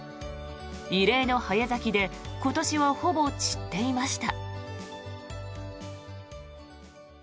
異例の早咲きで今年はほぼ散っていました。